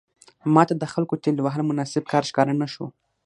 ماته د خلکو ټېل وهل مناسب کار ښکاره نه شو.